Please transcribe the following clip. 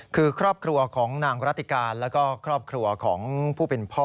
คือครอบครัวของนางรัติการแล้วก็ครอบครัวของผู้เป็นพ่อ